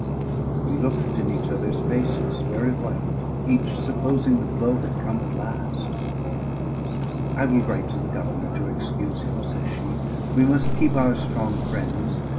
We looked in each other's faces, very white each supposing the blow had come at last. "I will write to the Governor to excuse him," says she. "We must keep our strong friends."